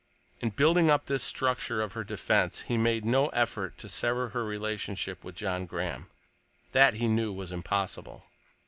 In building up this structure of her defense he made no effort to sever her relationship with John Graham; that, he knew, was impossible.